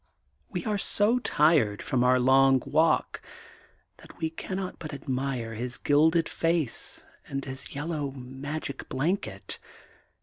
We are so tired from our long walk that we cannot but admire his gilded face and his yellow magic blanket.